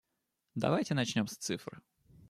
Давайте начнем с цифр.